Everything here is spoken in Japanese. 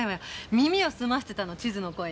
耳を澄ませてたの地図の声に。